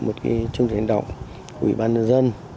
một cái trưng tên đầu của ủy ban nhân dân